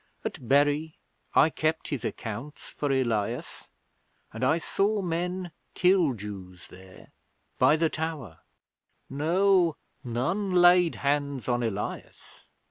At Bury I kept his accounts for Elias, and I saw men kill Jews there by the tower. No none laid hands on Elias.